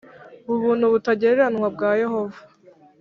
Ubuntu butagereranywa bwa Yehova